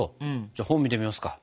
じゃあ本見てみますか？